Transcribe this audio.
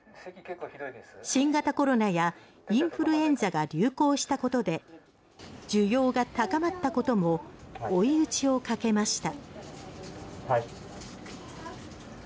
新型コロナやインフルエンザが流行したことで、需要が高まったことも追い打ちをかけました。